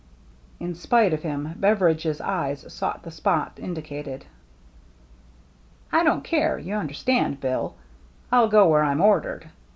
In spite of him, Beveridgc's eyes sought the spot indicated. "I don't care, you understand, Bill. I'll go where I'm ordered.